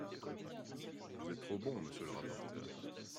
Vous êtes trop bon, monsieur le rapporteur